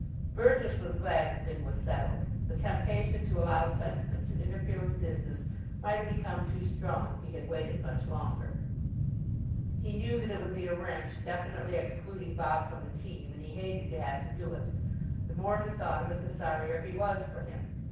Burgess was glad the thing was settled. The temptation to allow sentiment to interfere with business might have become too strong if he had waited much longer. He knew that it would be a wrench definitely excluding Bob from the team, and he hated to have to do it. The more he thought of it, the sorrier he was for him.